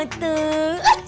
paketnya udah dateng